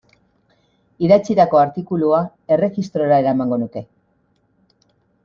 Idatzitako artikulua erregistrora eramango nuke.